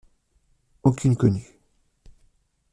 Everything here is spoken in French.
Aucune connue.